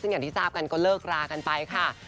ซึ่งอย่างที่ทราบกันก็เลิกรากันไปค่ะ